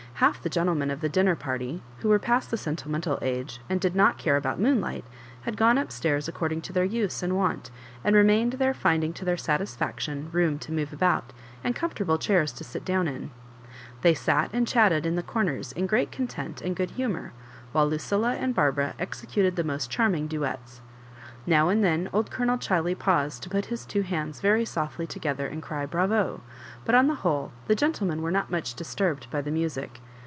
Half the gentlemen of the dinner party, whc were past the sentimental age, and did not care about moonlight, had gone up stairs according to their use and wont, and remained there, Ending, to their great satisfaction, room to move about, and comfortable chairs to sit down in. They sat and chatted in the comers in great content and good humour, while Lucilla and Barbara executed the Digitized by VjOOQIC MISS MARJOBIBANES. 61 moet charming duets. Now and then old Ck)lonel Ghiley paused to put hia two hands softly together and cry *' Bravo I" but on the whole the gentle men were not much disturbed by the music.